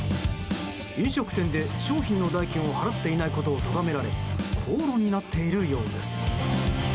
飲食店で商品の代金を払っていないことをとがめられ口論になっているようです。